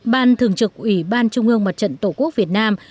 ban thường trực ủy ban trung ương mặt trận tổ quốc việt nam